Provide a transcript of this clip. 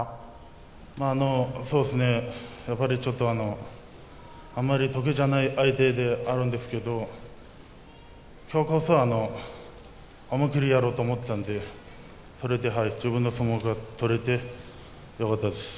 やっぱりちょっとあんまり得意じゃない相手であるんですけどきょうこそ思い切りやろうと思ったのでそれで自分の相撲が取れてよかったです。